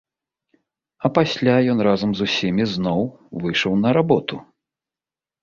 А пасля ён разам з усімі зноў выйшаў на работу.